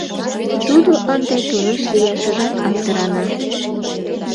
Тудо ынде тореш лияшыжат аптырана.